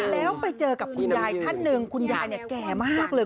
แล้วไปเจอกับคุณยายท่านหนึ่งคุณยายแก่มากเลย